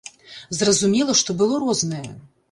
Зразумела, што было рознае.